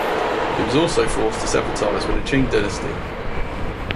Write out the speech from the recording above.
It was also forced to sever ties with the Qing dynasty.